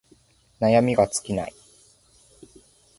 悩みが尽きない